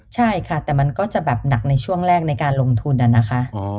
ใช่ค่ะแต่มันก็จะแบบหนักในช่วงแรกในการลงทุนนะคะ